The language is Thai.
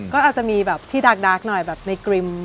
ก็อาจจะมีแบบพี่ดาร์กหน่อยแบบในกริม